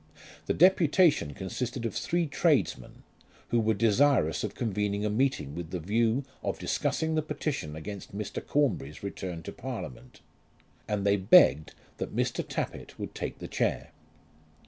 The deputation consisted of three tradesmen who were desirous of convening a meeting with the view of discussing the petition against Mr. Cornbury's return to Parliament, and they begged that Mr. Tappitt would take the chair.